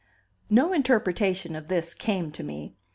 No interpretation of this came to me.